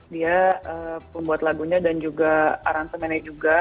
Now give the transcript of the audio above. dia pembuat lagunya dan juga aransemennya juga